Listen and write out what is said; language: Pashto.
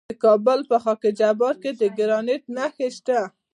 د کابل په خاک جبار کې د ګرانیټ نښې شته.